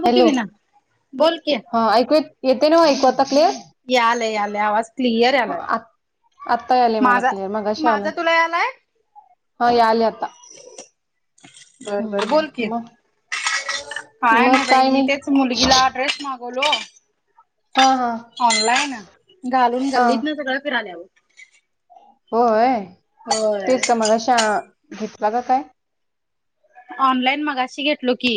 बोल की हॅलो विना बोल की हा ऐकू येते ना ऐकू आता क्लिअर. यालाल यालाय आवाज क्लियर यालाय. आत्ता यालय मला माझा क्लियर मगाशी आलं माझा तुला नाही. यालाय हा यालय. बर बर हम्म, बोल कि. मग काय नाही बाई. तेच मुलगीला ड्रेस मागवलो. हा हा. ऑनलाईन.. घालून हा गल्लीत न सगळं फिरायल हो. होय.. होय तेच का मगशा घेतला का काय? ऑनलाईन मगाशी घेतलो की.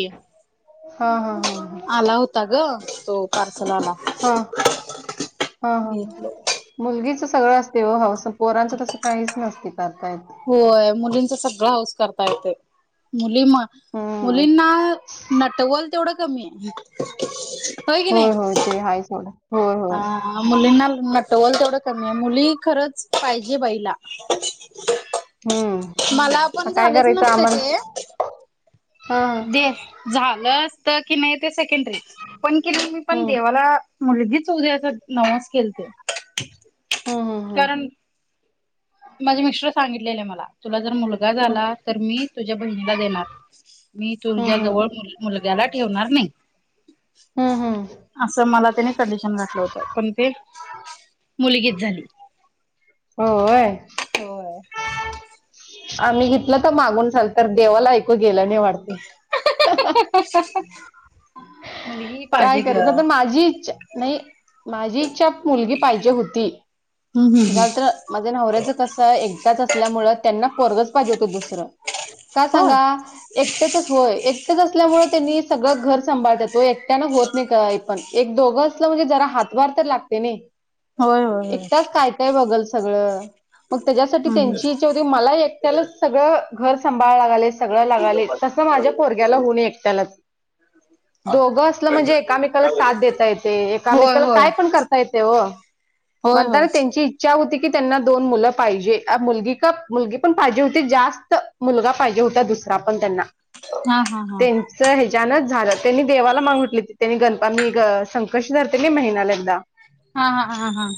हा हा हा. हा आला होता ग तो पार्सल वाला हा हा हा घेतलो. मुलगीच सगळं असते ओ हौस पोरांचं तसं काहीच नसते करता येत. होय मुलींच सगळं हौस करता येते मुली म हम्म मुलींना नटवल तेवढं कमी आहे. हो की होय नाही. होय ते हाय नव्ह हो. हा. मुलींना नटवल तेवढ कमी आहे मुली खरंच पाहिजे बाईला. मला हम्म पण काय झालंच करायचं नसत आम्हाला ते हा हा दे झालं असत की नाही ते सेकंडरी पण कि मी पण हम्म देवाला मुलगीच होवू देअसं नवस केलंत. हम्म हम्म कारण माझे मिस्टर सांगितलेले मला तुला जर मुलगा हम्म झाला तर मी तुझ्या बहिणीला देणार. मी हम्म तुझ्या हम्म जवळ मुलग्याला ठेवणार नाही. हम्म हम्म असं मला त्याने कंडिशन घातलं होत. पण ते, मुलगीच झाली. होय. होय. आम्ही घेतलं तर, मागून झाल. तर देवाला ऐकू गेलं नाही, वाटतय. [unintelligible] मुलगी पाहिजे काय ग करायच, तर माझी इच्छा नाही. माझी इच्छा, मुलगी पाहिजे होती. हम्म हम्म हम्म झालं तर. माझ्या नवऱ्याच कस, एकटाच असल्यामुळ, त्यांना पोरगच पाहिजे होत दुसरं. का होय सांगा एकटेचच होय. एकटेच असल्यामुळे, त्यांनी सगळं घर सांभाळत्यात ओ. एकट्यानं होत नाही, काही पण‌. एक, दोघं असलं म्हणजे, जरा हातभार तर लागतय, नाही. होय होय होय एकटाच काय - काय बघल सगळं? मग त्याज्यासाठी, हम्म त्यांचीे इच्छा होती. मला एक त्याला सगळं घर सांभाळ लागालय. सगळं लागालय. तसं, माझ्या पोरग्याला होऊ नी एकट्याला. दोघं असलं म्हणजे, एकामेकाला साथ देता येते. होय एकामेकाला काय होय कायपण करता येतय ओ. होय होय म्हणतानं, त्यांची इच्छा इच्छा होती की, त्यांना दोन मुलं पाहिजे. मुलगी का मुलगी पण पाहिजे होती. जास्त, मुलगा पाहिजे होता. दुसरा पण त्यांना. हा, हा, हा. त्या ह्याज्यानच झालं. त्यांनी देवाला मागुन घेतली त्यांनी. गणपा मी संकष्टी धरते नी महिन्याला एकदा. हा, हा, हां, हां.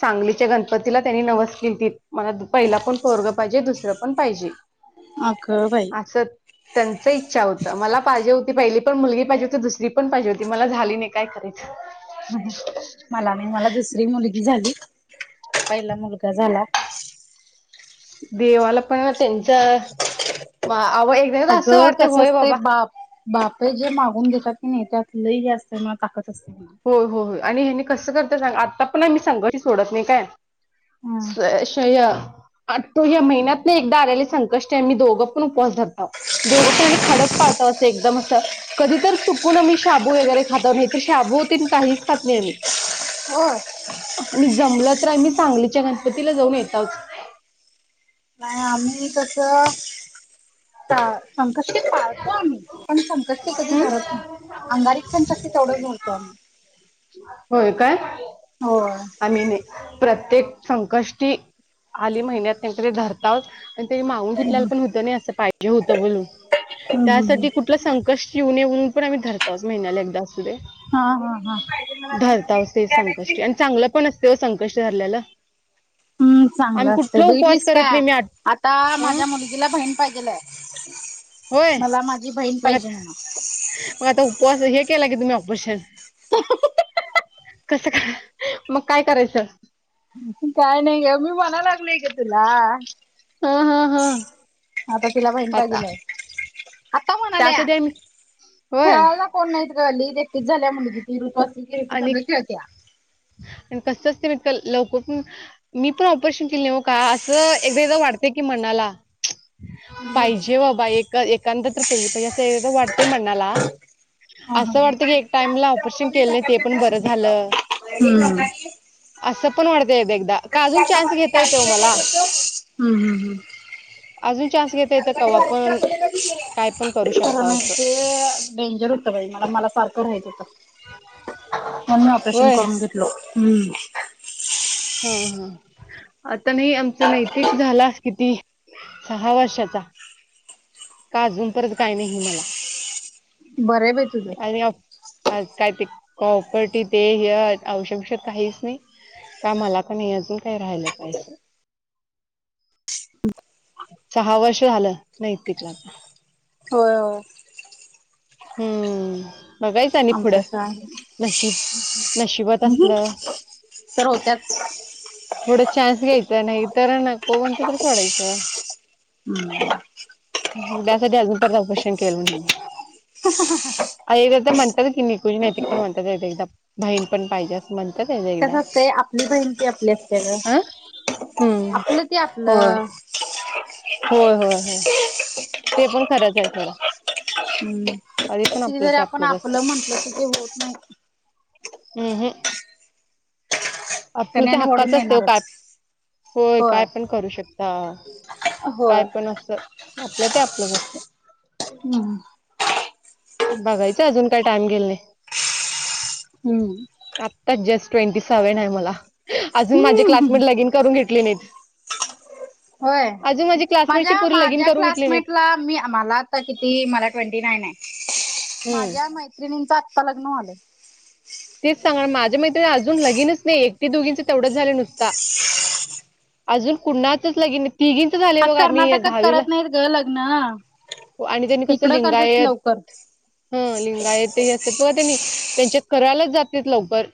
सांगलीच्या, गणपतीला त्यांनी नवस केलती. मला पहिला पण पोरग पाहिजे. दुसरं पण पाहिजे. अगं बाई अस. त्यांचं इच्छा होतं. मला पाहिजे होती. पहिली पण मुलगी पाहिजे होती. दुसरी पण पाहिजे होती. मला झाली नाही. काय खरय? [unintelligible] [unintelligible] मला नाही. मला दुसरी मुलगी झाली. पहिला मुलगा झाला. देवाला पण त्यांच. वा आ एकदा असं वाटतय, होय बाबा. बापे जे, मागून घेतात की नाही. त्यात लई ही असतय ना. ताकत असतना. होय. हो. होय. आणि हेनी कसं, करता सांग. आता पण आम्ही संकष्टी सोडत नाही, काय? स्व, शया. तो या महिन्यात न एकदा आलेले संकष्ट. आमी दोघं पण उपवास धरताव. दोघं पण आणि खडप पाळतो. असं, एकदम असं. कधीतर, चुकून आम्ही शाबू वगैरे खातो, नाही त शाबो तीन काहीच खात नाही आम्ही. हो. आणि जमलं तर, आम्ही सांगलीच्या गणपतीला जाऊन येतावच. नाही. आम्ही तस संकष्टी पाळतो आम्ही. पण संकष्टी कधी हं? धरत नाही. अंगारीक संकष्टी तेवढं, धरतो आम्ही. होय, काय? होय आम्ही नाही. प्रत्येक संकष्टी, आली महिन्यातन तरी धरताव. तेनी मागून घेतल्याला पण होत नाही. असं, पाहिजे होतं बोलून. हम्म हम्म त्यासाठी कुठ ल संकष्ट येऊ नये. म्हणून पण, आम्ही धरतावच. महिन्याला एकदा असू दे. हा, हा, हा. धरतावच ते संकष्टी. आणि चांगलं पण असते ओ, संकष्ट धरल्याल. हम्म, चांगलं असतं. उपवास बघितलीस का? करत नाही मी आठ आता, हं? माझ्या मुली ला बहीन पायजेलय. होय मग आता मग आता उपवास हे केला की तुम्ही ऑपरेशन [unintelligible] कस काय मग काय करायचं काय नाही ग मी म्हणा लागलय का तुला ह, ह, ह आता तिला बहीण पाहिजेलय आता म्हणाले त्यासाठी आम्ही होय खेळायला कोण नाहीत गल्लीत एकटीच झाल्या मुलगी ती ऋतू असली की ऋतू आणि सग खेळत्या आणि कसंच तेित लवकर पण मी पण ऑपरेशन केले हो का असं एक एकदा वाटतय की मनाला मुलगी होऊ दे पाहिजे बाबा एकांत तर पोरगी पाहिजे अस वाटतय मनाला हा हा असं वाटतं की एक टाइमला ऑपरेशन केलं नाही ते पण बर झालं हम्म अस पण वाटत एक एकदा का अजून चान्स घेता येतव ओ मला हम्म हम्म अजून चान्स घेता येत कवा पण काय पण करू खरं शकता नाही असं ते डेंजर होत बाई सारखं राहित होत म्हणून मी ऑपरेशन होय करून घेत हम्म हा, हा आता नाही आमच नैतिक झाला किती सहा वर्षाचा का अजून परत काही, नाही मला बरं आहे बाई तुझं आणि ऑप आ काय ते कॉपर्टी ते हे औषध, बीवशद काहीच नाही का मला का नाही अजून काय राहिलं पाहिजं सहा वर्ष झालं नैतिकला आता होय, होय हम्म बघायच आमचं पुढं काय नशीब नशिबात असलं सर होत्यात थोडं चान्स घ्यायचं नाही तर नको म्हणत तर सोडायचं हम्म त्यासाठी अजून तर ऑपरेशन केलं नाही मी [unintelligible] आई दादा म्हणतात की एकदा म्हणतात की नैतिक पण म्हणतात एक एकदा बहीण पण पाहिजे असं म्हणतात एकदा एकदा कसं असतंय आपली बहीण ती आपली असते हा ग हम्म आपलं ते होय आपलं होय, होय, होय ते पण खरंच आहे सोडा हम्म किती जरी आपण असते आपलं म्हंटलं तर ते होत नाही अ ह आपलं त्याने ते आणि हक्काच ओढून असते काय येणारच होय काय पण करू शकता काय होय पण अस आपलं ते आपलंच असतंय ह, ह बघायच अजून काय टाइम गेल नाही हम्म आत्ताच जस्ट ट्वेंटी सेव्हन आहे मला अजून माझे हम्म क्लासमेट लगीन करून घेतले नाहीत होय अजून माझी क्लासमेटची माझ्या, पोरी लगीन माझ्या करून घेतली नाहीत. क्लासमेटला मी मला आता किती मला ट्वेंटी नाईन आहे हम्म. माझ्या मैत्रिणींचं आत्ता लग्न होयल तेच सांगा माझ्या मैत्रणी अजून लगिनच नाही एकटे, दोघींच तेवढंच झाले नुसता अजून कुणाचच लगीन तिघीच झाले आ बघा मी कर्नाटकात दहावीला करत नाहीत ग लग्न हो आणि त्यांनी कस इकडं करतात लिंगायत लवकर हा लिंगायत ते असत तेनी त्यांच्या करालाच जात लवकर.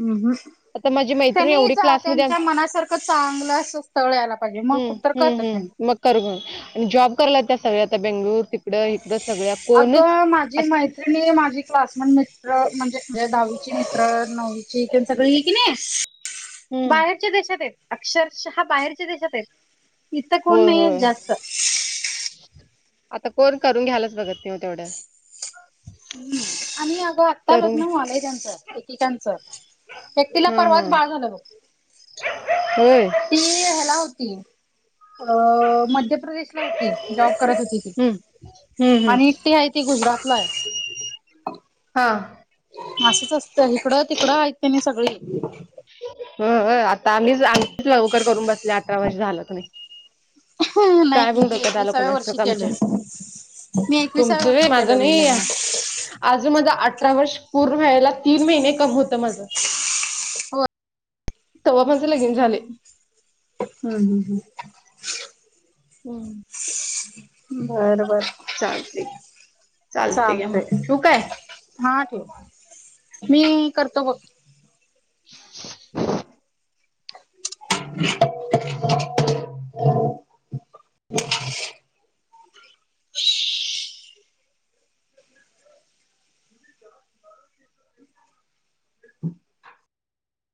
हम् हम. आता माझी मा त्यांनी त्यांच्या मनासारखं चांगलं अस स्थळ यायला पाहिजे मग हम्म कुठ तर हम्म कळत त्यांनी. हम्म मग कर ग आणि जॉब करायला त्या सगळ्या आता बेंगलुर तिकडं इकडं सगळ्या. कोणच अगं माझी आत माझी क्लासमेट मित्र म्हणजे दहावीची मित्र नववीची त्यां सगळी की नाही हम्म बाहेरच्या देशात आहेत अक्षरशः बाहेरच्या देशात आहेत. इथ कोण होय नाही येत होय जास्त. आता कोण करून घ्यायलाच बघत नाही ओ तेवढं. हम्म आणि अगं आत्ता करून लग्न घ्या व्हायलाय त्यांचं, एकेकांचं. एकटीला हं परवाच हं बाळ झालं. होय. ती ह्याला होती अ मध्य प्रदेशला होती. जॉब करत होती ती. हम्म हम्म हम्म आणि एकटी आहे ती गुजरातला आहे. हा. असंच असतं इकडं तिकडं आहेत तेनी सगळी. ह आता आम्हीच-आम्हीच लवकर करून बसले अठरा वर्ष झाल की. नाही काय पण मी डोक्यात आलं एकविसाव्या कुणास वर्षी ठाऊक आमच्या केलोय. मी एकविसाव्या तुमचं व्हय वर्षी माझं केलोय बाई नाही लग्न. अजून माझा अठरा वर्ष पूर्ण व्हायला तीन महिने कम होतं माझं. होय तेव्हा माझे लगीन झालेय. हम् हम् हम्. हम्. बरं बर. चालते. चालते की चालतय मग. ठेवू काय? हा ठेव. मी करतो बघ. [inaudible] [inaudible]